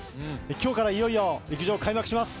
今日から、いよいよ陸上が開幕します。